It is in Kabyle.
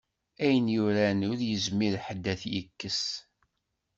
Ayen yuran, ur yezmir ḥedd ad t-yekkes.